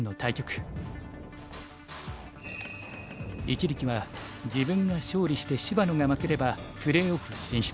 一力は自分が勝利して芝野が負ければプレーオフ進出。